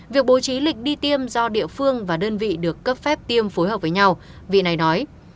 việc bố trí lịch đi tiêm do địa phương và đơn vị được cấp phép tiêm phối hợp với nhau vì này nói